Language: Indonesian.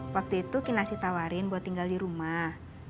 waktu itu kakek nasi tawarin buat tinggal di rumah